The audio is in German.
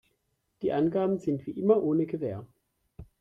Die Angaben sind wie immer ohne Gewähr.